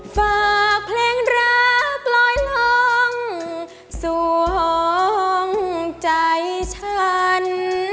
ฝากเพลงรักลอยน้องสวงใจฉัน